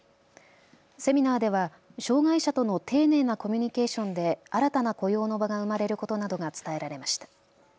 セミナーでは障害者との丁寧なコミュニケーションで新たな雇用の場が生まれることなどが伝えられました。